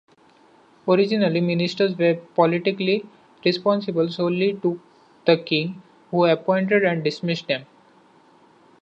Originally, ministers were politically responsible solely to the king, who appointed and dismissed them.